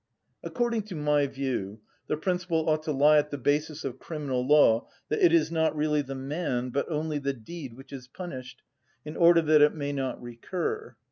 According to my view, the principle ought to lie at the basis of criminal law that it is not really the man but only the deed which is punished, in order that it may not recur.